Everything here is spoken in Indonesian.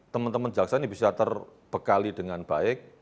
teman teman jaksa ini bisa terbekali dengan baik